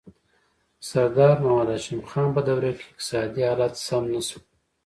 د سردار محمد هاشم خان په دوره کې اقتصادي حالات سم نه شول.